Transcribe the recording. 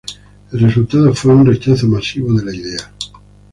El resultado fue un rechazo masivo de la idea.